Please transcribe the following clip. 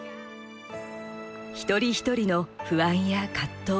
一人一人の不安や葛藤。